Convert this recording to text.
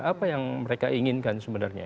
apa yang mereka inginkan sebenarnya